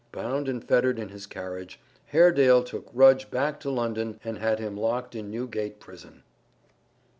Bound and fettered in his carriage, Haredale took Rudge back to London and had him locked in Newgate Prison.